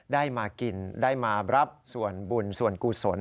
ได้มากินได้มารับส่วนบุญส่วนกุศล